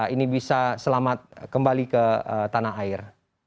ini bisa selamat kembali ke tanah air